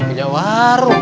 kemana punya warung